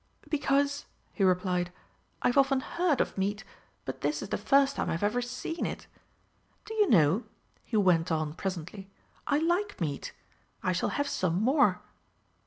"Because," he replied, "I've often heard of meat, but this is the first time I've ever seen it. Do you know," he went on presently, "I like meat. I shall have some more."